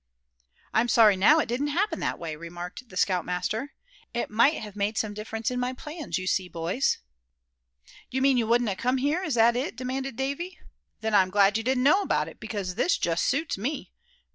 "I'm sorry now it didn't happen that way," remarked the scout master, "it might have made some difference in my plans, you see, boys." "You mean you wouldn't a come here, is that it?" demanded Davy; "then I'm glad you didn't know about it; because this just suits me.